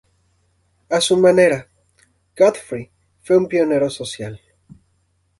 A su manera, Godfrey fue un pionero social.